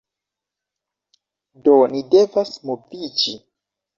Do ni devas moviĝi.